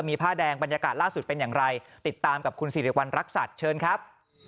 มีผ้าแดงบรรยากาศล่าสุดเป็นอย่างไรติดตามกับคุณสิริวัณรักษัตริย์เชิญครับ